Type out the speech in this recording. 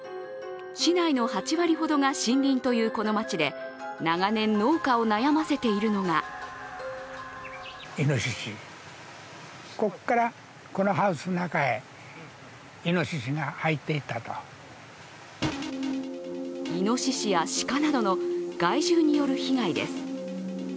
市内の８割ほどが森林というこの町で長年農家を悩ませているのがいのししや鹿などの害獣による被害です。